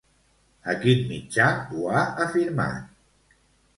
A quin mitjà ho ha afirmat?